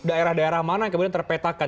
daerah daerah mana yang kemudian terpetakan